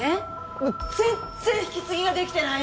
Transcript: もう全然引き継ぎが出来てないのよ。